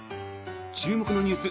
注目のニュース